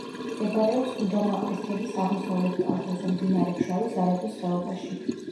მდებარეობს გუდამაყრის ქედის აღმოსავლეთ კალთაზე, მდინარე ფშავის არაგვის ხეობაში.